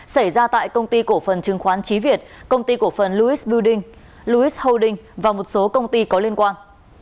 xảy ra tại công ty cổ phần chứng khoán trí việt công ty cổ phần lewis building lewis holding và một số công ty có liên quan